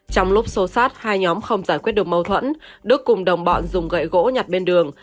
trong lúc xô sát hai nhóm không giải quyết được mâu thuẫn đức cùng đồng bọn dùng gậy gỗ nhặt bên đường